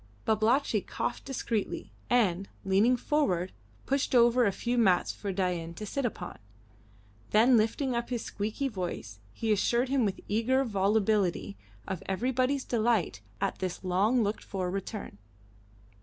Babalatchi coughed discreetly, and, leaning forward, pushed over a few mats for Dain to sit upon, then lifting up his squeaky voice he assured him with eager volubility of everybody's delight at this long looked for return.